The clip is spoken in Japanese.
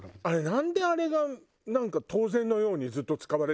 なんであれが当然のようにずっと使われてるの？